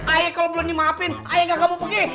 ayah kalo belum dimaafin ayah gak mau pergi